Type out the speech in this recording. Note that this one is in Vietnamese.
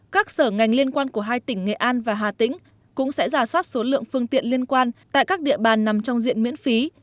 các sở ngành liên quan của hai tỉnh nghệ an và hà tĩnh cũng sẽ giả soát số lượng phương tiện liên quan tại các địa bàn nằm trong diện miễn phí